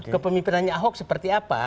kepemimpinannya ahok seperti apa